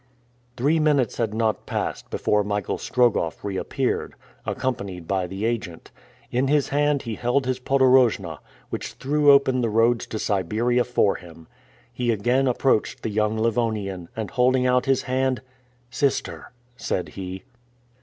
Three minutes had not passed before Michael Strogoff reappeared, accompanied by the agent. In his hand he held his podorojna, which threw open the roads to Siberia for him. He again approached the young Livonian, and holding out his hand: "Sister," said he.